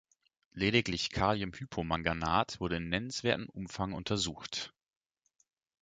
Lediglich Kaliumhypomanganat wurde in nennenswertem Umfang untersucht.